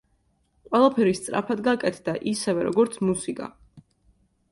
ყველაფერი სწრაფად გაკეთდა, ისევე, როგორც მუსიკა.